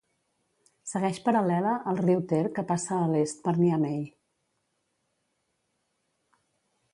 Segueix paral·lela al riu Ter que passa a l'est per Niamey.